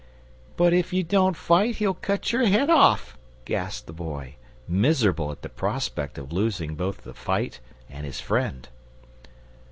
"But if you don't fight he'll cut your head off!" gasped the Boy, miserable at the prospect of losing both his fight and his friend.